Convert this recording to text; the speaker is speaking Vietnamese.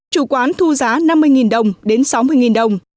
chủ quán thu giá năm mươi đồng đến sáu mươi đồng